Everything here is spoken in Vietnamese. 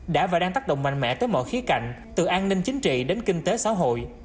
đã và đang tác động mạnh mẽ tới mọi khía cạnh từ an ninh chính trị đến kinh tế xã hội